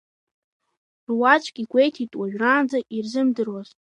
Руаӡәк игәеиҭеит уажәраанӡа ирзымдыруаз.